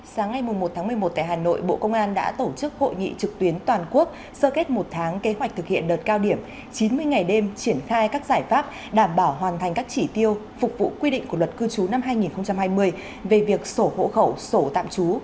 sáng ngày một một mươi một tại hà nội bộ công an đã tổ chức hội nghị trực tuyến toàn quốc sơ kết một tháng kế hoạch thực hiện đợt cao điểm chín mươi ngày đêm triển khai các giải pháp đảm bảo hoàn thành các chỉ tiêu phục vụ quy định của luật cư trú năm hai nghìn hai mươi về việc sổ hộ khẩu sổ tạm trú